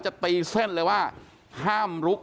จะไม่เคลียร์กันได้ง่ายนะครับ